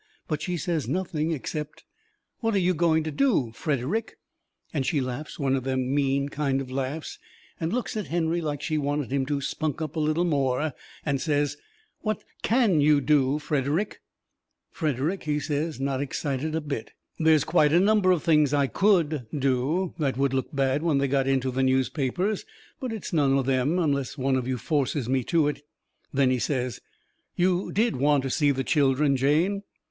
But she says nothing, except: "What are you going to do, Frederick?" And she laughs one of them mean kind of laughs, and looks at Henry like she wanted him to spunk up a little more, and says: "What CAN you do, Frederick?" Frederick, he says, not excited a bit: "There's quite a number of things I COULD do that would look bad when they got into the newspapers. But it's none of them, unless one of you forces me to it." Then he says: "You DID want to see the children, Jane?"